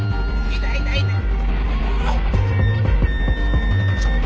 痛い痛い痛い。